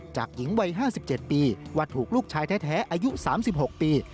หญิงวัย๕๗ปีว่าถูกลูกชายแท้อายุ๓๖ปี